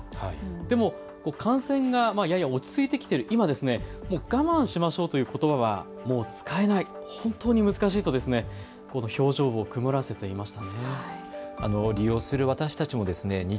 でも感染が落ち着いてきている今、我慢しましょうということばはもう使えない、本当に難しいと表情を曇らせていました。